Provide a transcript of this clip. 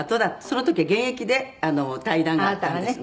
その時は現役で対談があったんです。